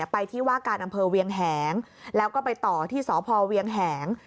ไปที่ว่าการอำเภอเวียงแหงแล้วก็ไปต่อที่สพเวียงแหง